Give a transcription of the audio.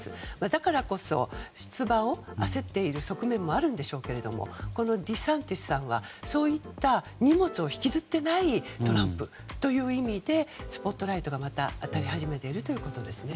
だからこそ出馬を焦っている側面もあるんでしょうけどデサンティスさんはそういった荷物を引きずっていないトランプという意味でスポットライトが当たり始めているということですね。